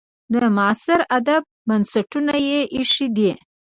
د معاصر ادب بنسټونه یې ایښي دي.